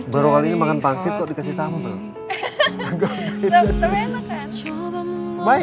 baru kali ini makan pangsit kok dikasih sambal